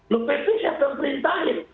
loh pp siapa yang perintahin